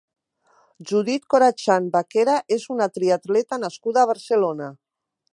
Judith Corachán Vaquera és una triatleta nascuda a Barcelona.